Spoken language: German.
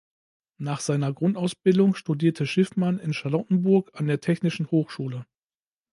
Nach seiner Grundausbildung studierte Schiffmann in Charlottenburg an der Technischen Hochschule.